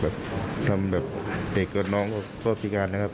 แบบทำแบบเด็กเกิดน้องก็พิการนะครับ